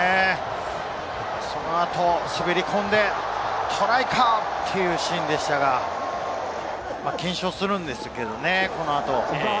その後、滑り込んでトライか？というシーンでしたが、検証するんですけれど、この後。